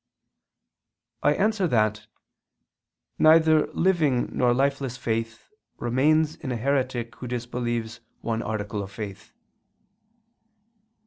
I answer that, Neither living nor lifeless faith remains in a heretic who disbelieves one article of faith.